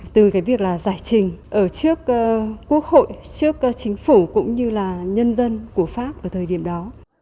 từ cái việc là giải trình ở trước quốc hội trước chính phủ cũng như là nhân dân của pháp ở thời điểm đó